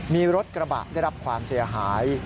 มีรถกระบะได้รับความเสียหาย